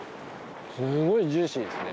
すごいジューシーですね。